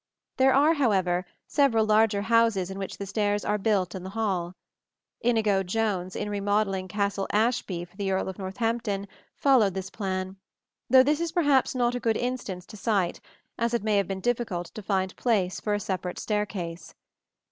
There are, however, several larger houses in which the stairs are built in the hall. Inigo Jones, in remodelling Castle Ashby for the Earl of Northampton, followed this plan; though this is perhaps not a good instance to cite, as it may have been difficult to find place for a separate staircase.